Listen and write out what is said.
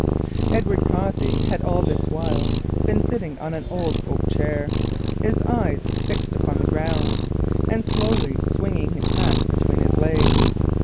Edward Cossey had all this while been sitting on an old oak chair, his eyes fixed upon the ground, and slowly swinging his hat between his legs.